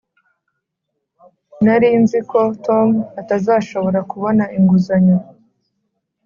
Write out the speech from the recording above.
nari nzi ko tom atazashobora kubona inguzanyo.